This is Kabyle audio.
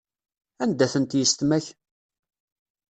Anda-tent yissetma-k?